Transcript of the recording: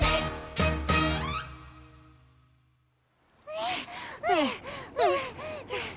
はあはあはあはあ。